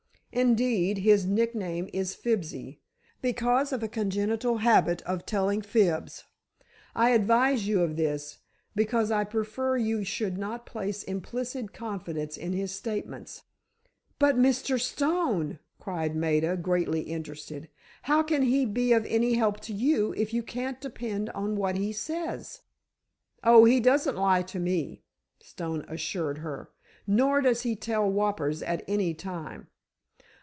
Indeed, his nickname is Fibsy, because of a congenital habit of telling fibs. I advise you of this, because I prefer you should not place implicit confidence in his statements." "But, Mr. Stone," cried Maida, greatly interested, "how can he be of any help to you if you can't depend on what he says?" "Oh, he doesn't lie to me," Stone assured her; "nor does he tell whoppers at any time.